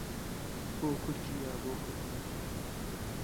بۆ کورد ژیا، بۆ کورد مرد